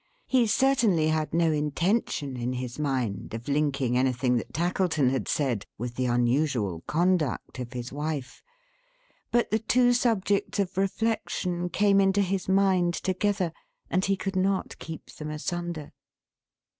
He certainly had no intention in his mind of linking anything that Tackleton had said, with the unusual conduct of his wife; but the two subjects of reflection came into his mind together, and he could not keep them asunder.